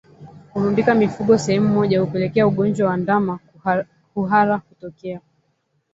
Kurundika mifugo sehemu moja hupelekea ugonjwa wa ndama kuhara kutokea